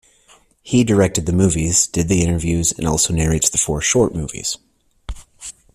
He directed the movies, did the interviews and also narrates the four short movies.